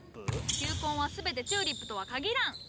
球根は全てチューリップとはかぎらん。